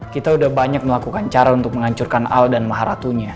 kita udah banyak melakukan cara untuk menghancurkan al dan maharatunya